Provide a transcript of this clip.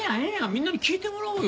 みんなに聞いてもらおうよ。